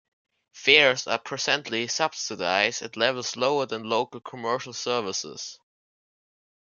Fares are presently subsidised at levels lower than local commercial services.